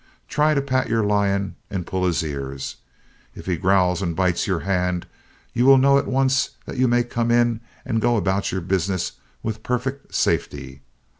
Try to pat your lion and pull his ears. If he growls and bites your hand you will know at once that you may come in and go about your business with perfect safety.